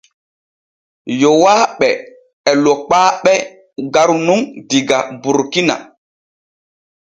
Yowaaɓe e Lokpaaɓe garu nun diga Burkina.